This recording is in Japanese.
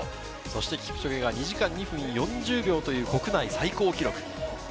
そしてキプチョゲが２時間２分４０秒という国内最高記録。